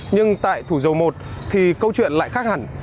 nhưng tại thủ dầu một thì câu chuyện lại khác hẳn